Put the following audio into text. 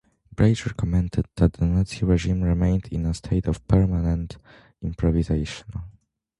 Bracher commented that the Nazi regime "remained in a state of permanent improvisation".